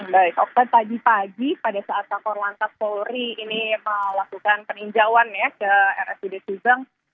baik dokter tadi pagi pada saat kakor lantas polri ini melakukan peninjauan ya ke rsud subang